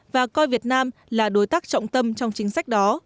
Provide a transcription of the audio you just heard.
và coi việt nam là đối tác trọng tâm trong chính sách đó